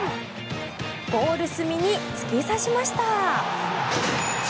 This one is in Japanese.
ゴール隅に突き刺しました。